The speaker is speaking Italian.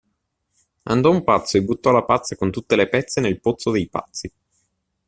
Andò un pazzo e buttò la pazza con tutte le pezze nel pozzo dei pazzi.